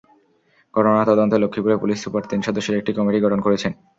ঘটনা তদন্তে লক্ষ্মীপুরের পুলিশ সুপার তিন সদস্যের একটি কমিটি গঠন করেছেন।